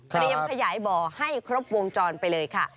ขยายบ่อให้ครบวงจรไปเลยค่ะ